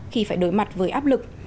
khi phải đối mặt với áp lực